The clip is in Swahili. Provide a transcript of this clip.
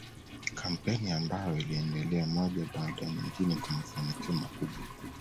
Kampeni ambayo iliendelea moja baada ya nyingine kwa mafanikio makubwa